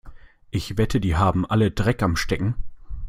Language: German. Ich wette, die haben alle Dreck am Stecken.